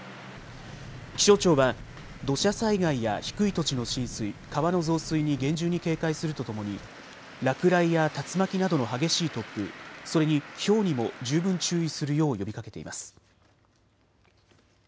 気象庁は土砂災害や低い土地の浸水、川の増水に厳重に警戒するとともに落雷や竜巻などの激しい突風、それにひょうにも十分注意するよう呼びかけています。